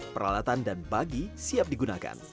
peralatan dan bagi siap digunakan